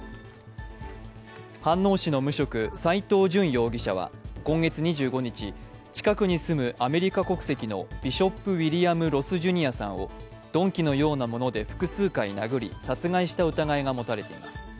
飯能市の無職、斉藤淳容疑者は今月２５日近くに住むアメリカ国籍のビショップ・ウィリアム・ロス・ジュニアさんを鈍器のようなもので複数回殴り殺害した疑いが持たれています。